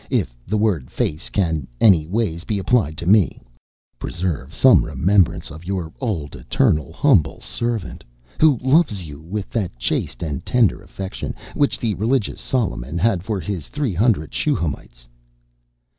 If the word face can any ways be applied to me, preserve some remembrance of your old eternal humble servant, who loves you with that chaste and tender affection, which the religious Solomon had for his three hundred Shuhamites."